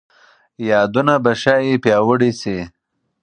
یادونه به ښايي پیاوړي شي.